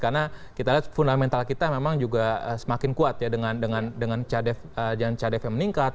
karena kita lihat fundamental kita memang juga semakin kuat ya dengan dengan dengan cadet yang meningkat